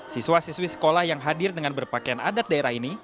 siswa siswi sekolah yang hadir dengan berpakaian adat daerah ini